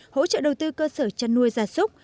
hỗ trợ đầu tư cơ sở chăn nuôi gia súc